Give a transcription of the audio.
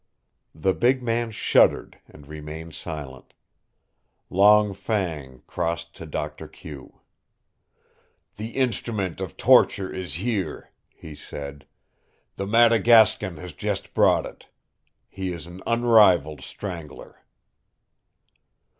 The big man shuddered and remained silent. Long Fang crossed to Doctor Q. "The instrument of torture is here," he said. "The Madagascan has just brought it. He is an unrivaled strangler."